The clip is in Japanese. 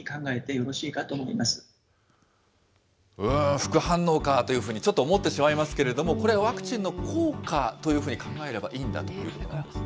副反応かーというふうに、ちょっと思ってしまいますけれども、これはワクチンの効果というふうに考えていいんだということですね。